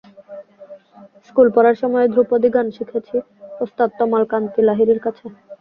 School পড়ার সময়ে ধ্রুপদি গান শিখেছি ওস্তাদ তমাল কান্তি লাহিড়ীর কাছে।